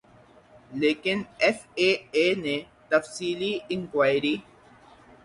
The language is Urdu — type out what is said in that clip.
لیکن ایف اے اے نے تفصیلی انکوائری